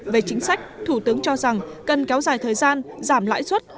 về chính sách thủ tướng cho rằng cần kéo dài thời gian giảm lãi suất